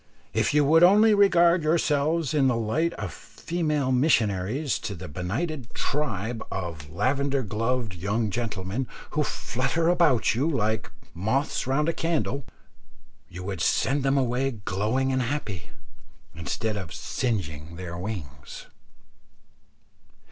If you would only regard yourselves in the light of female missionaries to that benighted tribe of lavender gloved young gentlemen who flutter about you like moths round a candle, you would send them away glowing and happy, instead of singeing their wings.